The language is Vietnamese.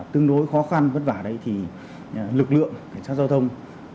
tương đối khó khăn vất vả đấy thì lực lượng cảnh sát giao thông